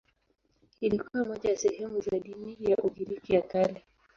Ilikuwa moja ya sehemu za dini ya Ugiriki ya Kale.